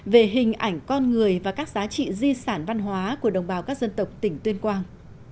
về hình ảnh con người và các giá trị di sản văn hóa của đồng bào các dân tộc tỉnh tuyên quang